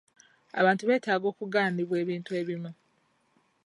Abantu beetaaga okugaanibwa ebintu ebimu.